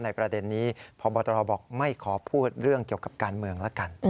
ประเด็นนี้พบตรบอกไม่ขอพูดเรื่องเกี่ยวกับการเมืองแล้วกัน